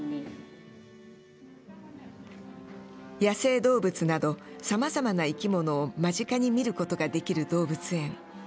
野生動物などさまざまな生き物を間近に見ることができる動物園。